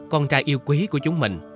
con trai yêu quý của chúng mình